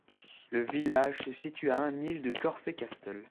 Le village se situe à un mile de Corfe Castle.